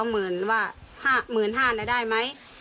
หมื่นว่า๑๕๐๐บาทได้ไหม